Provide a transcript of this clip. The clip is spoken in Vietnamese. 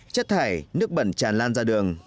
chất thải nước bẩn tràn lan ra đường